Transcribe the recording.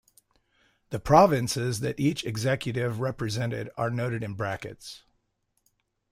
The provinces that each executive represented are noted in brackets.